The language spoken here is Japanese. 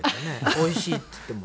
おいしいって言っても。